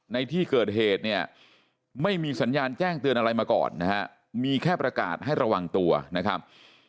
ในที่เกิดเหตุเนี่ยไม่มีสัญญาณแจ้งเตือนอะไรมาก่อนนะฮะมีแค่ประกาศให้ระวังตัวนะครับ